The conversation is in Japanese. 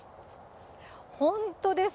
本当です。